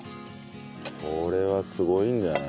これはすごいんじゃない？